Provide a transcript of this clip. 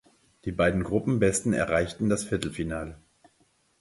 Die beiden Gruppenbesten erreichten das Viertelfinale.